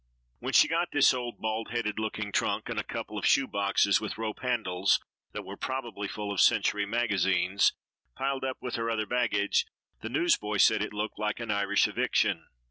When she got this old, bald headed looking trunk and a couple of shoe boxes with rope handles (that were probably full of Century Magazines) piled up with her other baggage, the newsboy said it looked like an Irish eviction.